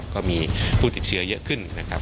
ก็มีผู้ติดเชื้อเยอะขึ้นนะครับ